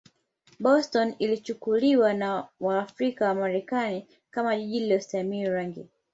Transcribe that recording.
Boston ilichukuliwa na Waafrika-Wamarekani kama jiji lisilostahimili rangi.